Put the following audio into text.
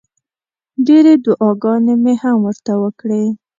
ډېرې دوعاګانې مې هم ورته وکړې.